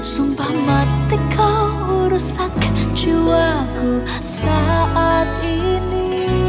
sumpah mati kau rusakkan jiwaku saat ini